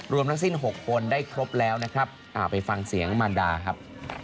รวมทั้งสิ้นหกคนได้ครบนะครับอ้าไปฟังเสียงมัลดาครับ